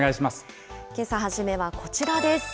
けさ初めはこちらです。